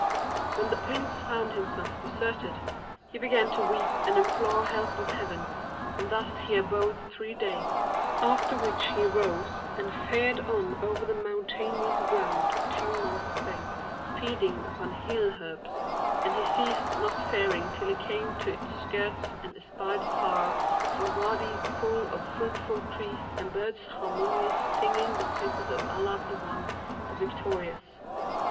When the Prince found himself deserted, he began to weep and implore help of Heaven, and thus he abode three days; after which he rose and fared on over the mountainous ground two month's space, feeding upon hill herbs; and he ceased not faring till he came to its skirts and espied afar off a Wady full of fruitful trees and birds harmonious, singing the praises of Allah, the One, the Victorious.